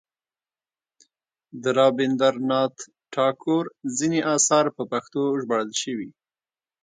د رابندر ناته ټاګور ځینې اثار په پښتو ژباړل شوي.